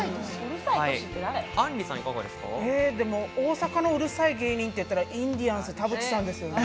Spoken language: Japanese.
大阪のうるさい芸人っていったらインディアンス・田渕さんですよね。